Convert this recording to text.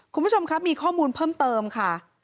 คุณผู้ชมครับมีข้อมูลเพิ่มเติมค่ะ